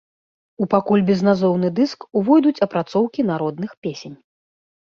У пакуль безназоўны дыск увойдуць апрацоўкі народных песень.